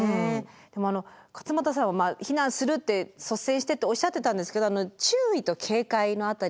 でも勝俣さんは避難するって率先してっておっしゃってたんですけど注意と警戒の辺りってどう？